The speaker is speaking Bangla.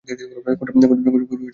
খুঁজো ডাইনি টাকে!